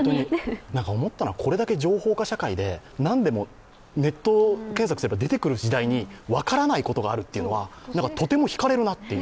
思ったのは、これだけ情報化社会で何でもネット検索すれば出てくる時代に分からないことがあるというのは、とてもひかれるなという。